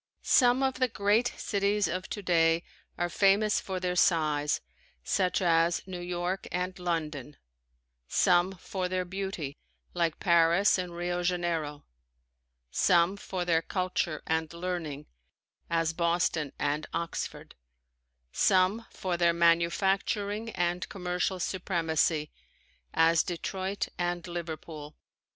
Some of the great cities of today are famous for their size, such as New York and London; some for their beauty, like Paris and Rio Janeiro; some for their culture and learning, as Boston and Oxford; some for their manufacturing and commercial supremacy, as Detroit and Liverpool.